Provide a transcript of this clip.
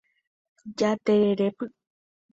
Jatererépy